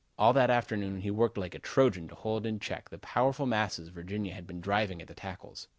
All that afternoon he worked like a Trojan to hold in check the powerful masses Virginia had been driving at the tackles.